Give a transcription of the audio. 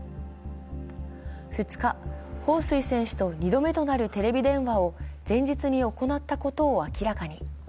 ２日、彭帥選手と２度目となるテレビ電話を前日に行ったことを明らかに。